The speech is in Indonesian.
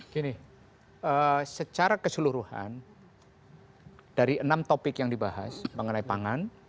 gini secara keseluruhan dari enam topik yang dibahas mengenai pangan